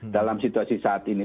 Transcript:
dalam situasi saat ini